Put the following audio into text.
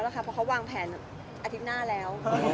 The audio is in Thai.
เพราะว่ารูปอ้ามวางแผนอาทิตย์หน้าแล้ว